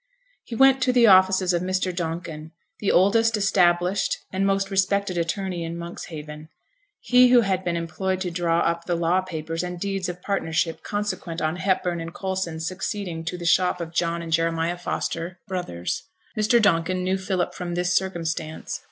He went to the offices of Mr. Donkin, the oldest established and most respected attorney in Monkshaven he who had been employed to draw up the law papers and deeds of partnership consequent on Hepburn and Coulson succeeding to the shop of John and Jeremiah Foster, Brothers. Mr. Donkin knew Philip from this circumstance.